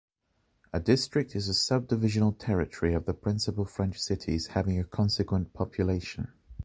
A district is a sub-divisional territory of the principal French cities having an consequent population.